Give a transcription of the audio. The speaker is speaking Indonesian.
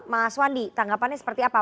mas wandi tanggapannya seperti apa